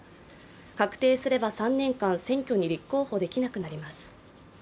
確定すれば３年間選挙に立候補できなくなります。